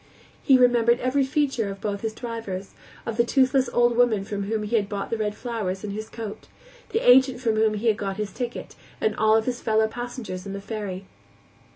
He remembered every feature of both his drivers, of the toothless old woman from whom he had bought the red flowers in his coat, the agent from whom he had got his ticket, and all of his fellow passengers on the ferry.